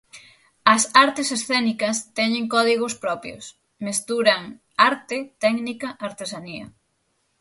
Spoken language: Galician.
As artes escénicas teñen códigos propios; mesturan arte, técnica, artesanía.